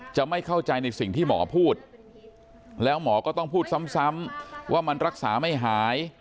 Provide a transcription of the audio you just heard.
จะไม่เข้าใจในสิ่งที่หมอพูดแล้วหมอก็ต้องพูดซ้ำว่ามันรักษาไม่หาย